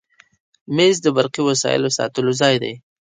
مېز د برقي وسایلو ساتلو ځای دی.